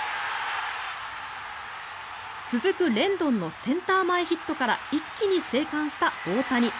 続く、レンドンのセンター前ヒットから一気に生還した大谷。